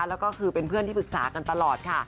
แล้วก็คือเป็นเพื่อนที่ปรึกษากันตลอดค่ะ